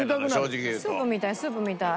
スープみたいスープみたい。